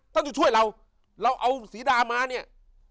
ต้องช่วยเราเราเอาสีดามาเนี่ย